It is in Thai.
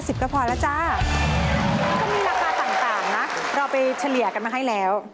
ก็มีราคาต่างนะเราไปเฉลี่ยกันมาให้แล้ว